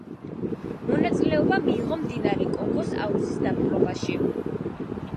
მონაწილეობა მიიღო მდინარე კონგოს აუზის დაპყრობაში.